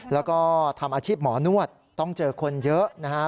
แล้วก็ทำอาชีพหมอนวดต้องเจอคนเยอะนะฮะ